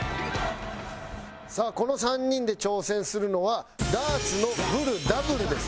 さあこの３人で挑戦するのはダーツのブルダブルです。